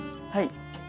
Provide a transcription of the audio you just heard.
はい。